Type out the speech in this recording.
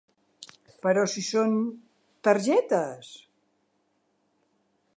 Però si són... targetes?